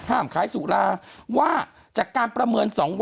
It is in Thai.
ต้องปรัติบัตย์ให้ได้ตามข้อกำหนดแล้วก็มาตรการด้านสาธารณะอสกด้วย